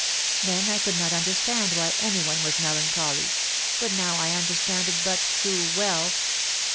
Then I could not understand why any one was melancholy, but now I understand it but too well.